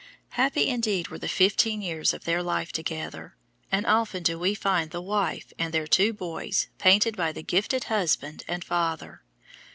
Happy indeed were the fifteen years of their life together, and often do we find the wife and their two boys painted by the gifted husband and father.